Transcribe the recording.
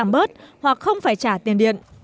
giảm bớt hoặc không phải trả tiền điện